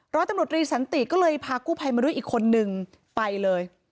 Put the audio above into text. ร้อยตำรวจรีสันติก็เลยพากู้ภัยมาด้วยอีกคนนึงไปเลย